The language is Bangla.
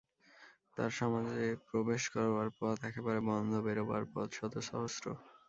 তার সমাজে প্রবেশ করবার পথ একেবারে বন্ধ, বেরোবার পথ শতসহস্র।